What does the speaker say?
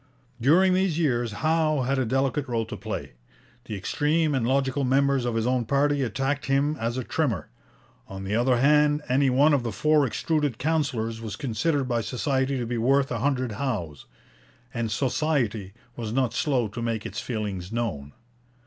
During these years Howe had a delicate role to play. The extreme and logical members of his own party attacked him as a trimmer; on the other hand, any one of the four extruded councillors was considered by Society to be worth a hundred Howes, and Society was not slow to make its feelings known.